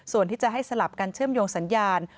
ส่วนที่จะให้สลับกันเชื่อมโยงสัญญาณ